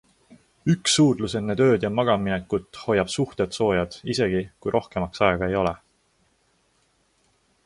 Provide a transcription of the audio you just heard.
Üks suudlus enne tööd ja magamaminekut hoiab suhted soojad isegi, kui rohkemaks aega ei ole.